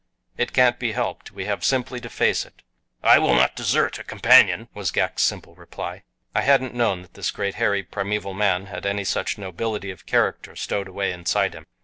It can't be helped we have simply to face it." "I will not desert a companion," was Ghak's simple reply. I hadn't known that this great, hairy, primeval man had any such nobility of character stowed away inside him.